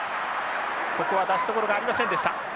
ここは出しどころがありませんでした。